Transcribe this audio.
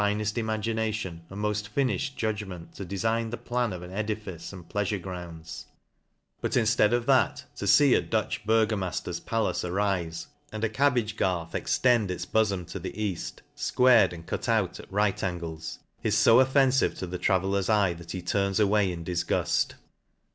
neft imagination and moft nnifhed judgment to dengn the plan of an edifice and plea sure grounds; but inftead of that, to fee a Dutch burgomailer's palace arife, and a cabbage garth ex tend its boforn to the eaif, fquared and cut out at right angles, is fo ofFenfive to the traveller's eye, that he turns away in difguft.